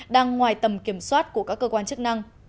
đang ngoài tầm kiểm soát của các cơ quan chức năng